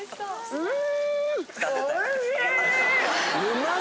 うん！